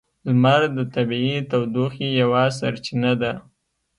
لمر د طبیعی تودوخې یوه سرچینه ده.